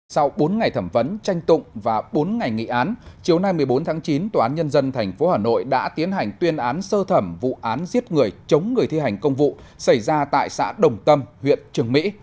sau bốn ngày thẩm vấn tranh tụng và bốn ngày nghị án chiều nay một mươi bốn tháng chín tòa án nhân dân tp hà nội đã tiến hành tuyên án sơ thẩm vụ án giết người chống người thi hành công vụ xảy ra tại xã đồng tâm huyện trường mỹ